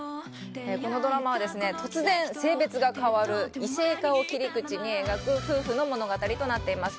このドラマは、突然性別が変わる異性化を切り口に夫婦の物語となっています。